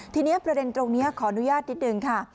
ทีนี้ประเด็นตรงนี้ขออนุญาตนิดนึงค่ะ